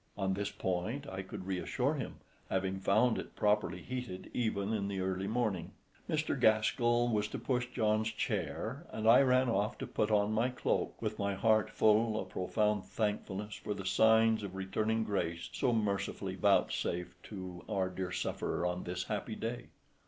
On this point I could reassure him, having found it properly heated even in the early morning. Mr. Gaskell was to push John's chair, and I ran off to put on my cloak, with my heart full of profound thankfulness for the signs of returning grace so mercifully vouchsafed to our dear sufferer on this happy day.